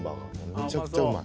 めちゃくちゃうまい。